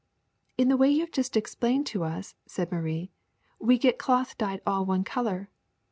In the way you have just explained to us," said Marie, *^we get cloth dyed all one color.